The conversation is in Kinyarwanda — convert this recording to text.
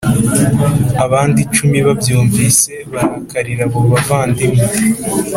Abandi icumi babyumvise barakarira abo bavandimwe